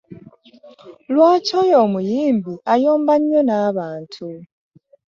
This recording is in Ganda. Lwaki oyo omuyimbi ayomba nnyo n'abantu?